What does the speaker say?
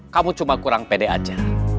kamu cuma kurang pede aja